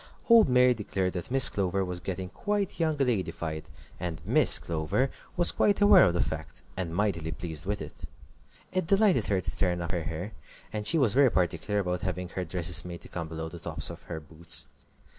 Old Mary declared that Miss Clover was getting quite young ladyfied, and "Miss Clover" was quite aware of the fact, and mightily pleased with it. It delighted her to turn up her hair; and she was very particular about having her dresses made to come below the tops of her boots.